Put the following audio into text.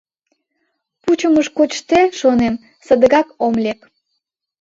Пучымыш кочде, шонем, садыгак ом лек.